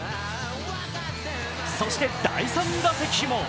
そして第３打席も。